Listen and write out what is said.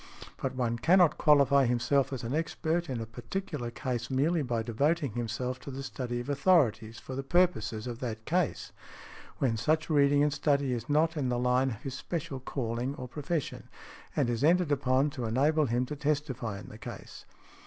But one cannot qualify himself as an expert in a particular case merely by devoting himself to the study of authorities for the purposes of that case, when such reading and study is not in the line of his special calling or profession and is entered upon to enable him to testify in the case.